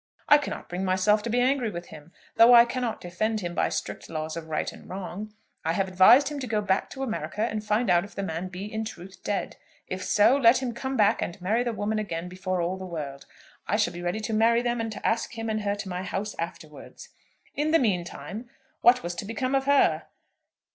I cannot bring myself to be angry with him, though I cannot defend him by strict laws of right and wrong. I have advised him to go back to America and find out if the man be in truth dead. If so, let him come back and marry the woman again before all the world. I shall be ready to marry them and to ask him and her to my house afterwards. "In the mean time what was to become of her?